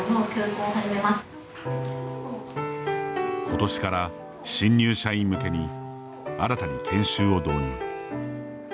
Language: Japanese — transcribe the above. ことしから新入社員向けに新たに研修を導入。